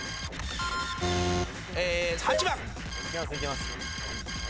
８番。